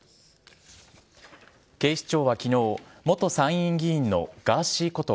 警視庁は昨日元参院議員のガーシーこと